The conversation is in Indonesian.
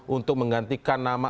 untuk menggantikan nama